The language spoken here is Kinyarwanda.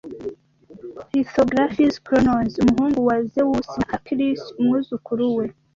Lithographie Kronos, umuhungu wa Zewusi, na Hercules umwuzukuru we,